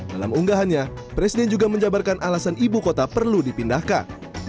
dalam unggahannya presiden juga menjabarkan alasan ibu kota perlu dipindahkan